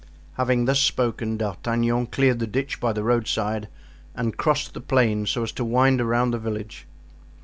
Having thus spoken, D'Artagnan cleared the ditch by the roadside and crossed the plain so as to wind around the village.